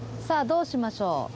さあどうしましょう？